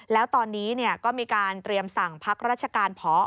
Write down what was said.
แล้วตอนนี้ก็มีการเตรียมสั่งพักราชการพอ